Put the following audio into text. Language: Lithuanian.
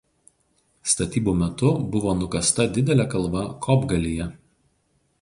Statybų metu buvo nukasta didelė kalva Kopgalyje.